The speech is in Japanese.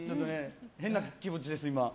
変な気持ちです、今。